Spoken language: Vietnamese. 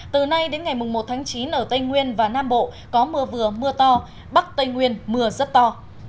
từ nay đến ngày một tháng chín ở tây nguyên và nam bộ có mưa vừa mưa to bắc tây nguyên mưa rất to